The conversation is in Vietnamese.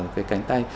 cái cánh tay